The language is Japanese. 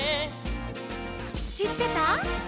「しってた？」